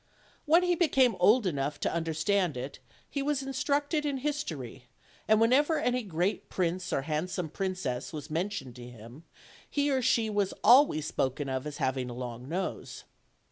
When he became old enough to understand it he was instructed in history, and whenever any great prince or handsome princess was mentioned to him, he or she was always spoken of as hav ing a long nose.